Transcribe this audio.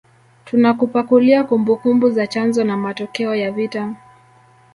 Tunakupakulia kumbukumbu za chanzo na matokeo ya vita